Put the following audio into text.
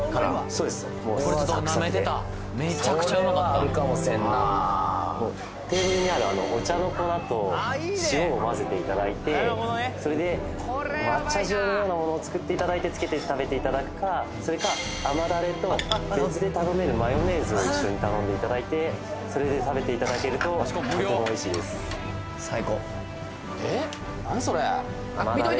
そうですサクサクでこれはあるかもしれんなテーブルにあるお茶の粉と塩を混ぜていただいてそれで抹茶塩のようなものを作っていただいてつけて食べていただくかそれか甘だれと別で頼めるマヨネーズを一緒に頼んでいただいてそれで食べていただけるととてもおいしいです最高ええー？